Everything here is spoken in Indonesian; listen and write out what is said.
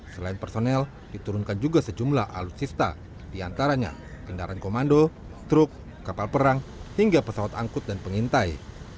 selain personel diturunkan juga sejumlah alutsista diantaranya kendaraan komando truk kapal perang hingga pesawat angkut dan pengintai